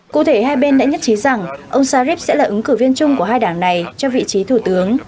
cụ thể hai bên đã nhất trí rằng ông sharif sẽ là ứng cử viên chung của hai đảng này cho vị trí thủ tướng